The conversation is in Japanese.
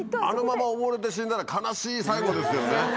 あのまま溺れて死んだら悲しい最期ですよね。